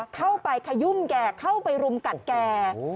เข้าไปขยุ่มแกเข้าไปรุมกัดแก